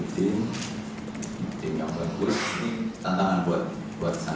tim yang bagus ini tantangan buat saya